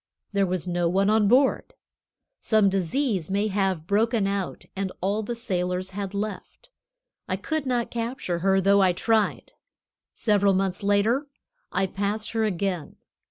There was no one on board. Some disease may have broken out, and all the sailors had left. I could not capture her, though I tried. Several months later I passed her again.